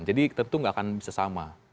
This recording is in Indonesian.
jadi tentu tidak akan bisa sama